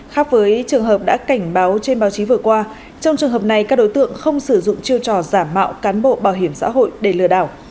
khác với trường hợp đã cảnh báo trên báo chí vừa qua trong trường hợp này các đối tượng không sử dụng chiêu trò giả mạo cán bộ bảo hiểm xã hội để lừa đảo